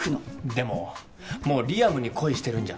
でももうリアムに恋してるんじゃ？